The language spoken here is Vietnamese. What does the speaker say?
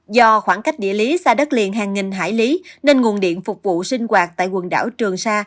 do khoảng cách địa lý xa đất liền hàng nghìn hải lý nên nguồn điện phục vụ sinh hoạt tại quần đảo trường sa